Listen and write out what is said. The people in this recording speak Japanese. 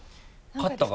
勝ったか？